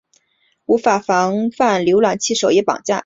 无法防范浏览器首页绑架。